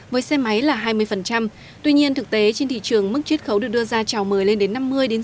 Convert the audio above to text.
với xe máy là hai mươi tuy nhiên thực tế trên thị trường mức chiết khấu được đưa ra chào mời lên đến năm mươi sáu mươi